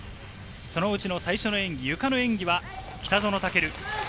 そのうちの最初の演技、ゆかの演技は北園丈琉。